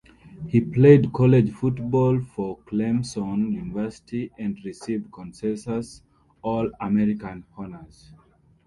He played college football for Clemson University, and received consensus All-American honors.